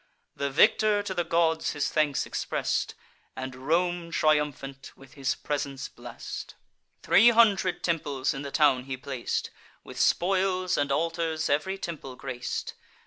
The victor to the gods his thanks express'd, And Rome, triumphant, with his presence bless'd. Three hundred temples in the town he plac'd; With spoils and altars ev'ry temple grac'd.